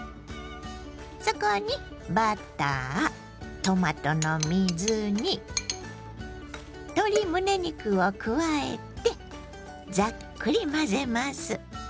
そこにバタートマトの水煮鶏むね肉を加えてざっくり混ぜます。